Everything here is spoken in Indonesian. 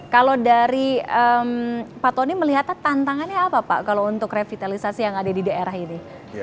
kalau dari pak tony melihatnya tantangannya apa pak kalau untuk revitalisasi yang ada di daerah ini